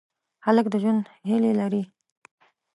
هلک د ژوند هیلې لري.